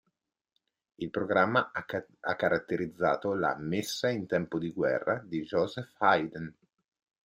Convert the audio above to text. Il programma ha caratterizzato la "Messa in tempo di guerra" di Joseph Haydn.